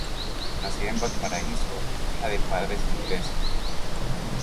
Nacida en Valparaíso, hija de padres ingleses.